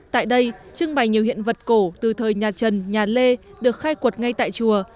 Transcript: tại đây trưng bày nhiều hiện vật cổ từ thời nhà trần nhà lê được khai quật ngay tại chùa